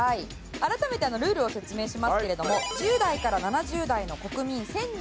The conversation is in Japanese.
改めてルールを説明しますけれども１０代から７０代の国民１０００人にとりました